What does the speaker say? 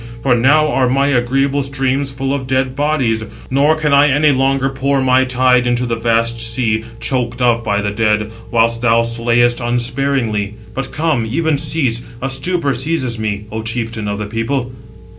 For now are my agreeable streams full of dead bodies, nor can I any longer pour my tide into the vast sea, choked up by the dead; whilst thou slayest unsparingly. But come, even cease—a stupor seizes me—O chieftain of the people."